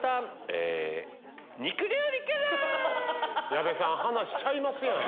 矢部さん話ちゃいますやん。